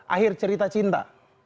akhir cerita cinta